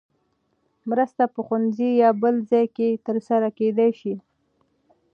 مرسته په ښوونځي یا بل ځای کې ترسره کېدای شي.